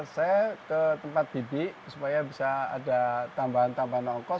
saya ke tempat bibi supaya bisa ada tambahan tambahan ongkos